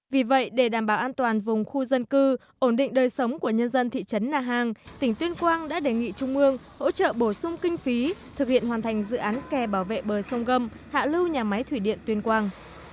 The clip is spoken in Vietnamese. vì vậy để đảm bảo an toàn vùng khu dân cư ổn định đời sống của nhân dân thị trấn na hàng tỉnh tuyên quang đã đề nghị trung ương hỗ trợ bổ sung kinh phí thực hiện hoàn thành dự án kè bảo vệ bờ sông gâm hạ lưu nhà máy thủy điện tuyên quang